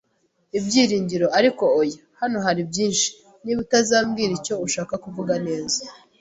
ibyiringiro! Ariko oya, hano haribyinshi. Niba utazambwira icyo ushaka kuvuga neza,